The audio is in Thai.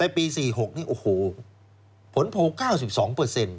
ในปี๔๖เนี่ยโอ้โหผลโพธิสำรวจ๙๒เปอร์เซ็นต์